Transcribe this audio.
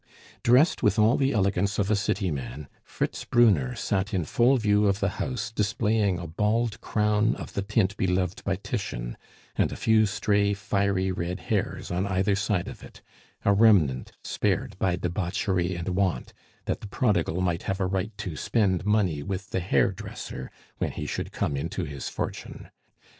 Dressed with all the elegance of a city man, Fritz Brunner sat in full view of the house displaying a bald crown of the tint beloved by Titian, and a few stray fiery red hairs on either side of it; a remnant spared by debauchery and want, that the prodigal might have a right to spend money with the hairdresser when he should come into his fortune.